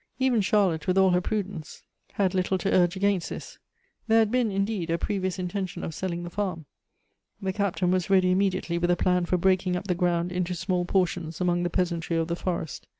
Even Charlotte, with all her prudence, had little to Elective Affinities. 67 urge against this. There had been, indeed, a previous intention of selling the farm. The Captain was ready immediately with a plan for breaking up the ground into small portions among the peasantry of the fore.st.